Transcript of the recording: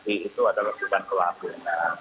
itu adalah bukan pelabur